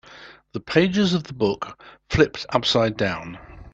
The pages of the book flipped upside down.